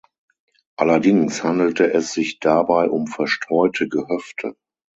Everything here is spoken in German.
Allerdings handelte es sich dabei um verstreute Gehöfte.